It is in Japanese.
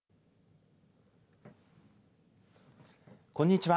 こんにちは。